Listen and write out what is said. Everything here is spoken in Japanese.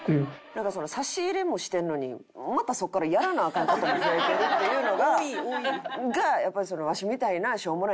なんか差し入れもしてるのにまたそこからやらなアカン事も増えてるっていうのがやっぱりワシみたいなしょうもない人間は。